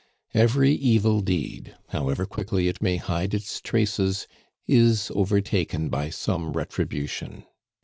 Every evil deed, however quickly it may hide its traces, is overtaken by some retribution.